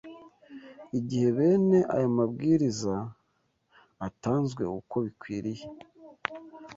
Igihe bene aya mabwiriza atanzwe uko bikwiriye